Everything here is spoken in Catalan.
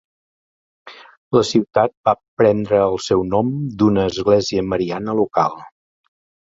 La ciutat va prendre el seu nom d'una església mariana local.